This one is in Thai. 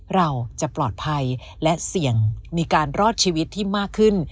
เราจะปลอดภัยและเสี่ยงมีการรอดชีวิตที่มากขึ้น